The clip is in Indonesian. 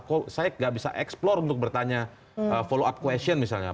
kok saya gak bisa explore untuk bertanya follow up question misalnya